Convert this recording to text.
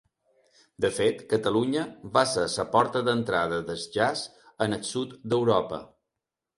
De fet, Catalunya va ser la porta d'entrada del jazz al sud d'Europa.